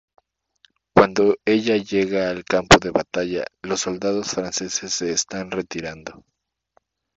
Cuando ella llega al campo de batalla, los soldados franceses se están retirando.